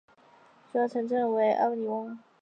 主要城镇为阿维尼翁。